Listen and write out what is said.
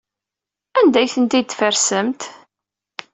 Anda ay tent-id-tfarsemt?